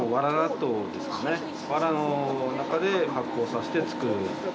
わらの中で発酵させて作る。